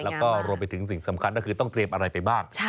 แล้วก็รวมไปถึงสิ่งสำคัญก็คือต้องเตรียมอะไรไปบ้าง